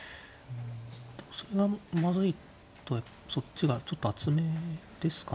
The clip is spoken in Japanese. でもそれがまずいとそっちがちょっと厚めですかね。